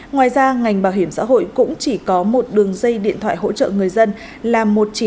ngoài ra ngành bảo hiểm xã hội cũng chỉ có một đường dây điện thoại hỗ trợ người dân là một chín không không chín không sáu tám